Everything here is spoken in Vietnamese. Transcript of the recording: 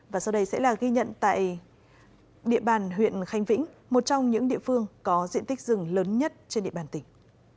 và sau đây sẽ là ghi nhận tại địa bàn huyện khánh vĩnh một trong những địa phương có diện tích rừng lớn nhất trên địa bàn tỉnh